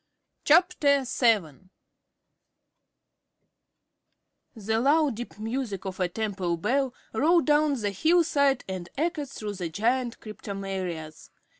_ CHAPTER VII The low, deep music of a temple bell rolled down the hillside and echoed through the giant cryptomerias.